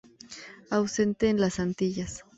Ausente de las Antillas.